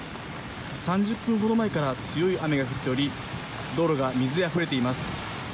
３０分ほど前から強い雨が降っており道路が水であふれています。